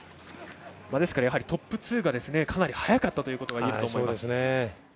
やはりトップ２がかなり速かったということがいえると思います。